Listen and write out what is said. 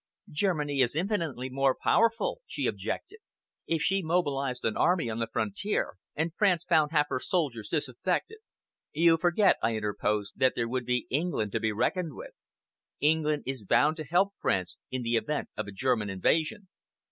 "Germany is infinitely more powerful," she objected. "If she mobilized an army on the frontier, and France found half her soldiers disaffected " "You forget," I interposed, "that there would be England to be reckoned with. England is bound to help France in the event of a German invasion."